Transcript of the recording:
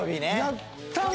やったね。